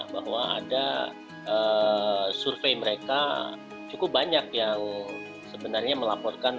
bahwa ada survei mereka cukup banyak yang sebenarnya melaporkan